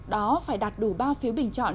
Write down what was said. đó phải đạt đủ bao phiếu bình chọn